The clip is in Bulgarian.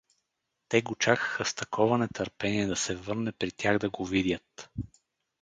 Те го чакаха с такова нетърпение да се върне при тях да го видят.